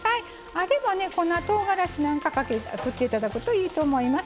あればね粉とうがらしなんか振って頂くといいと思います。